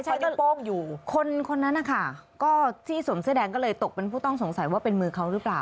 ใช่คนนั้นค่ะก็ที่สวมเสื้อแดงก็เลยตกเป็นผู้ต้องสงสัยว่าเป็นมือเขาหรือเปล่า